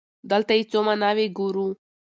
دلته يې څو ماناوې ګورو.